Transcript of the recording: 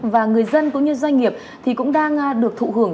và người dân cũng như doanh nghiệp thì cũng đang được thụ hưởng